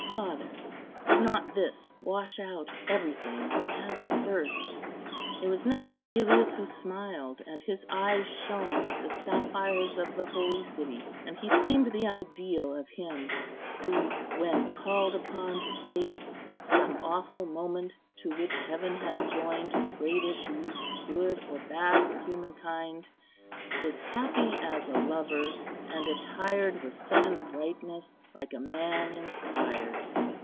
Father, would not this wash out every thing, as the first?" It was now Cæcilius who smiled, and his eyes shone like the sapphires of the Holy City; and he seemed the ideal of him who, when "Called upon to face Some awful moment to which heaven has joined Great issues, good or bad for humankind, Is happy as a lover, and attired With sudden brightness, like a man inspired."